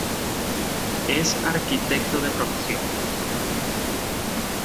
Es arquitecto de profesión.